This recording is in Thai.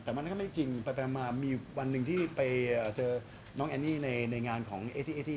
แต่มันก็ไม่จริงไปมามีวันหนึ่งที่ไปเจอน้องแอนนี่ในงานของเอทีเอที